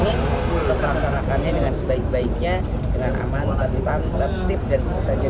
untuk melaksanakannya dengan sebaik baiknya dengan aman tentan tertib dan tentu saja